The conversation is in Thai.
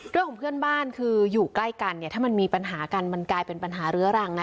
เรื่องของเพื่อนบ้านคืออยู่ใกล้กันเนี่ยถ้ามันมีปัญหากันมันกลายเป็นปัญหาเรื้อรังนะ